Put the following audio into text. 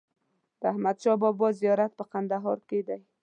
د احمدشاه بابا زیارت په کندهار کې دی.